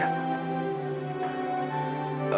jangan terpisah actual disini ya